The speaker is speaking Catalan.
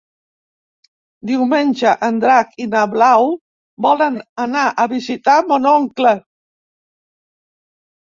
Diumenge en Drac i na Blau volen anar a visitar mon oncle.